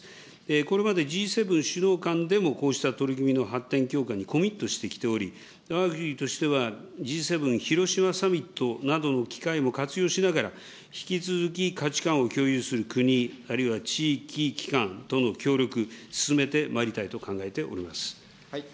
これまでＧ７首脳間でもこうした取り組みの発展強化にコミットしてきており、わが国としてはＧ７広島サミットなどの機会も活用しながら、引き続き価値観を共有する国、あるいは地域、機関との協力、進めてまいりたいと考えております。